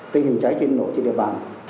tình hình cháy trên nổ trên địa bàn